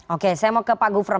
oke saya mau ke pak gufron